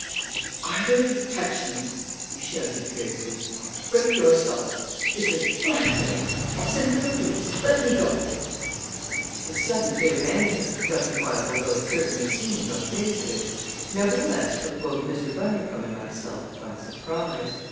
"If either of you touch me," he shouted fiercely, "I'll break your skulls! This is blackmail! I'll send for the police! Let me go!" His sudden fit of anger, justifiable though it certainly seemed on the face of it, nevertheless took both Mr. Bundercombe and myself by surprise.